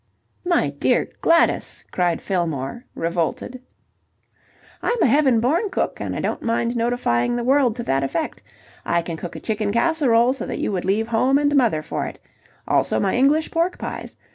"My dear Gladys!" cried Fillmore revolted. "I'm a heaven born cook, and I don't mind notifying the world to that effect. I can cook a chicken casserole so that you would leave home and mother for it. Also my English pork pies!